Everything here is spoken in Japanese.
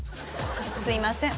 すいません